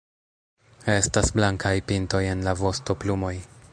Estas blankaj pintoj en la vostoplumoj.